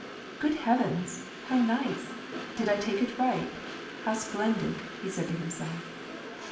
Good heavens ! how nice ! Did I take it right ! How splendid !" he said to himself.